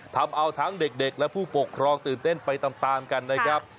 ทำเอาทั้งเด็กและผู้ปกครองตื่นเต้นไปตามกันนะครับ